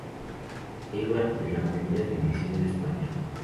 Eibar de la Primera División de España.